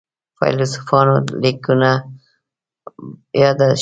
فیلسوفانو لیکنو یاده شوې.